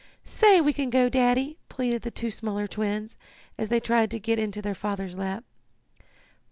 "Say we can go, Daddy!" pleaded the two smaller twins, as they tried to get into their father's lap.